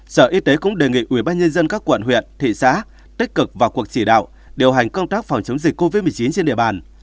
sở y tế cũng đề nghị ubnd các quận huyện thị xã tích cực vào cuộc chỉ đạo điều hành công tác phòng chống dịch covid một mươi chín trên địa bàn